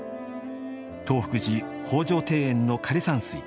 東福寺方丈庭園の枯山水。